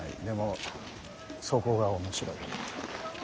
でもそこが面白い。